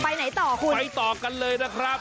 ไหนต่อคุณไปต่อกันเลยนะครับ